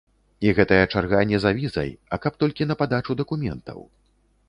І гэтая чарга не за візай, а каб толькі на падачу дакументаў.